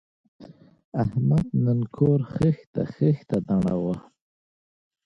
احمد نن کور خښته خښته نړاوه.